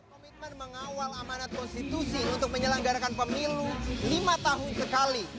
komitmen mengawal amanat konstitusi untuk menyelenggarakan pemilu lima tahun sekali